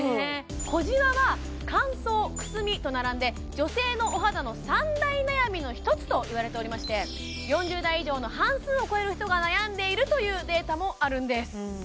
小じわは乾燥くすみと並んで女性のお肌の３大悩みの１つといわれておりまして４０代以上の半数を超える人が悩んでいるというデータもあるんです